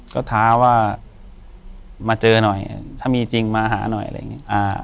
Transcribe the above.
ก็ท้าว่ามาเจอหน่อยถ้ามีจริงมาหาหน่อยอะไรอย่างนี้